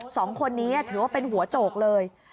สองคนนี้ถือว่าเป็นหัวโจกเลย